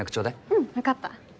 うん分かった。